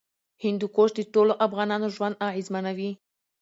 هندوکش د ټولو افغانانو ژوند اغېزمنوي.